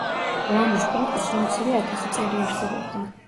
ლამუს პორტი სულ მცირე ათასი წელი არსებობდა.